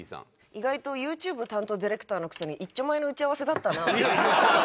「意外とユーチューブ担当ディレクターのくせに一丁前の打ち合わせだったな」。